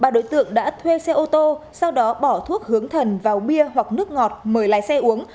ba đối tượng đã thuê xe ô tô sau đó bỏ thuốc hướng thần vào bia hoặc nước ngọt mời lái xe uống